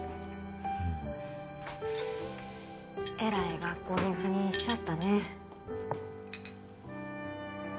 うんえらい学校に赴任しちゃったね